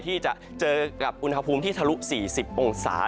ที่จะเจอกับอุณหภูมิที่ทะลุ๔๐องศา